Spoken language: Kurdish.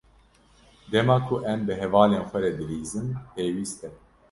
Dema ku em bi hevalên xwe re dilîzin, pêwîst e.